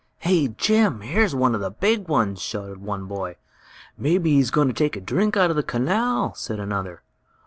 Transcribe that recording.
"Hey, Jim! Here's one of the big ones!" shouted one boy. "Maybe he's going to take a drink out of the canal," said another.